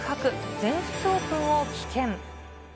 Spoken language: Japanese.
全仏オープンを棄権。